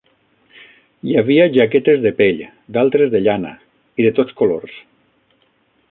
Hi havia jaquetes de pell, d'altres de llana, i de tots colors.